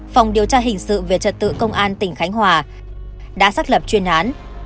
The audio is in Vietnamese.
phòng điều tra hình sự về trật tự công an tỉnh khánh hòa đã xác lập chuyên án